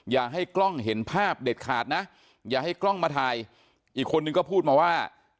อย่าให้กล้องเห็นภาพเด็ดขาดนะอย่าให้กล้องมาถ่ายอีกคนนึงก็พูดมาว่า